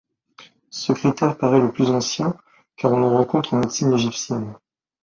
Ce critère parait le plus ancien car on le rencontre en médecine égyptienne.